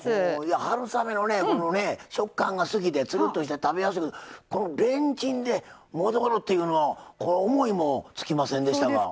春雨の食感が好きでつるっとして食べやすくてレンチンで戻るっていうの思いもつきませんでしたわ。